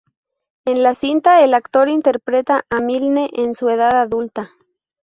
En la cinta el actor interpreta a Milne en su edad adulta.